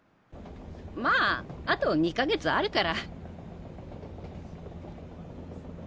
まああと２か月あるから。